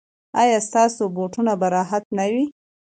ایا ستاسو بوټونه به راحت نه وي؟